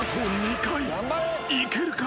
［いけるか？］